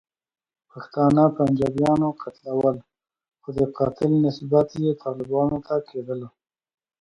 پښتانه پنجابیانو قتلول، خو د قاتل نسبیت یې طالبانو ته کېدلو.